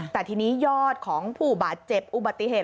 แต่ทีนี้ยอดของผู้บาดเจ็บอุบัติเหตุ